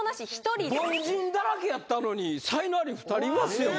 凡人だらけやったのに才能アリ２人いますよ。